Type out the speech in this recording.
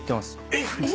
えっ！？